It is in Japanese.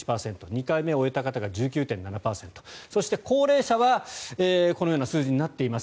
２回目を終えた方が１９．７％そして高齢者はこのような数字になっています。